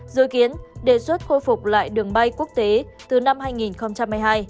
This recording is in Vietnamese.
dự kiến đề xuất khôi phục lại đường bay quốc tế từ năm hai nghìn hai mươi hai